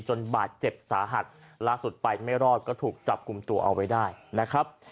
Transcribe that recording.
บาดเจ็บสาหัสล่าสุดไปไม่รอดก็ถูกจับกลุ่มตัวเอาไว้ได้นะครับ